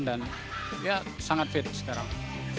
dan ya sangat fit sekarang